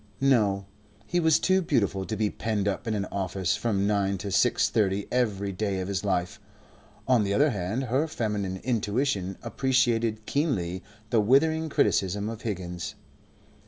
No, he was too beautiful to be penned up in an office from nine to six thirty every day of his life. On the other hand her feminine intuition appreciated keenly the withering criticism of Higgins.